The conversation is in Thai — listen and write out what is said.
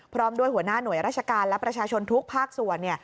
พร้อมด้วยหัวหน้าหน่วยราชการและประชาชนทุกภาคส่วน